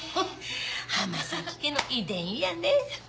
浜崎家の遺伝やね。